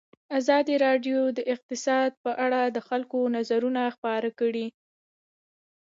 ازادي راډیو د اقتصاد په اړه د خلکو نظرونه خپاره کړي.